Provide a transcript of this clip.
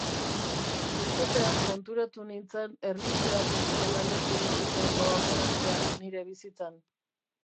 Irtetean konturatu nintzen erlijioak ez zuela lekurik izango aurrerantzean nire bizitzan.